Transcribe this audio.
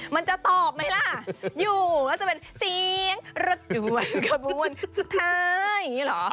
มันจะตอบไหมแหละอยู่มันจะเป็นเสียงรดดวนขบวนสุดท้าย